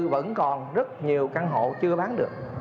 vẫn còn rất nhiều căn hộ chưa bán được